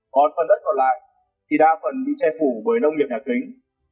còn phần đất còn lại thì đa phần bị che phủ với nông nghiệp nhà kính